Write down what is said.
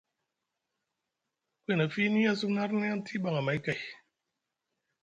Ku hina fiini a sumna arni aŋ tiiɓan amay kay.